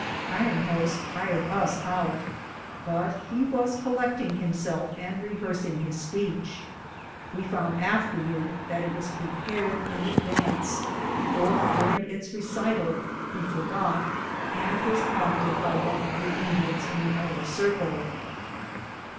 Iron Horse tired us out, but he was collecting himself and rehearsing his speech. We found afterwards that it was prepared in advance, for during its recital he forgot, and was prompted by one of the Indians in the outer circle.